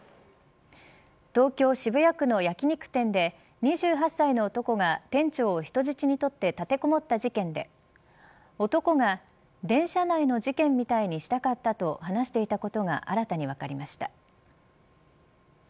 東京、渋谷区の焼き肉店で２８歳の男が店長を人質にとって立てこもった事件で男が電車内の事件みたいにしたかったと話していたことが新たに分かりました。